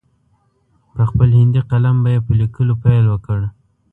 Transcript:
په خپل هندي قلم به یې په لیکلو پیل وکړ.